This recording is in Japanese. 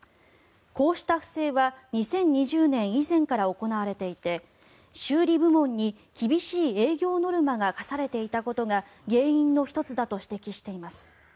こうした不正は２０２０年以前から行われていて修理部門に厳しい営業ノルマが課されていたことが原因の１つだと指摘しています。